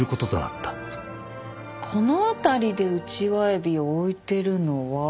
この辺りでウチワエビを置いてるのは。